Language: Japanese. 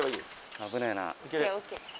危ねぇな。